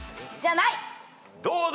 どうだ！？